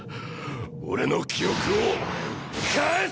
俺の記憶を返せ！